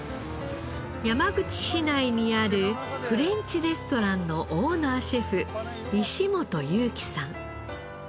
山口市内にあるフレンチレストランのオーナーシェフ石本裕紀さん。